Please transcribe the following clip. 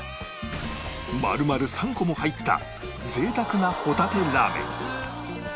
丸々３個も入った贅沢なほたてラーメン